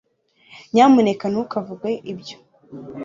nyamuneka ntukavuge ibyo